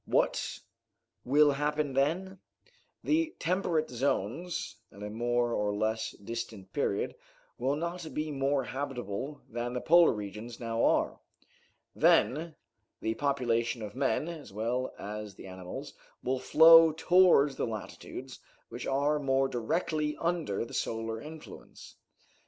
What will happen, then? The temperate zones, at a more or less distant period, will not be more habitable than the polar regions now are. Then the population of men, as well as the animals, will flow towards the latitudes which are more directly under the solar influence.